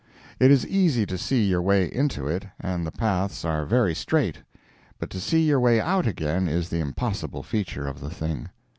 It is easy to see your way into it, and the paths are very straight, but to see your way out again is the impossible feature of the thing.